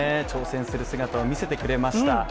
挑戦する姿を見せてくれました。